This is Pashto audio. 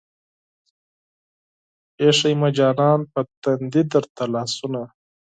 ايښې مې جانانه پۀ تندي درته لاسونه